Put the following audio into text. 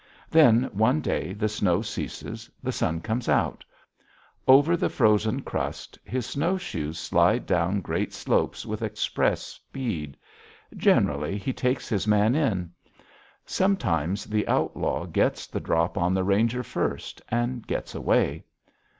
Then one day the snow ceases; the sun comes out. Over the frozen crust his snowshoes slide down great slopes with express speed. Generally he takes his man in. Sometimes the outlaw gets the drop on the ranger first and gets away.